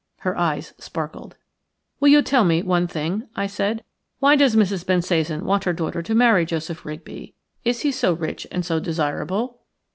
Her eyes sparkled. "Will you tell me one thing?" I said. "Why does Mrs. Bensasan want her daughter to marry Joseph Rigby? Is he so rich and so desirable?"